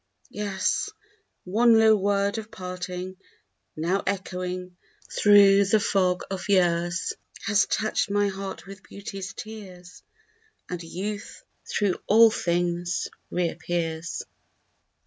Yes, one low word of parting, now Echoing, thro the fog of years, Has touched my heart with beauty's tears, And youth thro all things reappears.